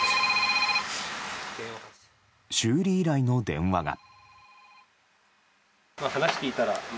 修理依頼の電話が。